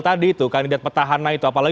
tadi itu kandidat petahana itu apalagi